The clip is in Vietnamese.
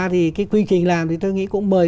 thì cái quy trình làm thì tôi nghĩ cũng mời